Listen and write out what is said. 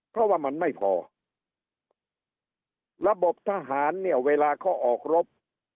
เพราะว่ามันไม่พอระบบทหารเนี่ยเวลาเขาออกรบ